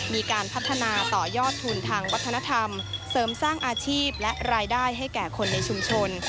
มีการพัฒนาต่อยอดทุนทางวัฒนธรรมเสริมสร้างอาชีพและรายได้ให้แก่คนในชุมชน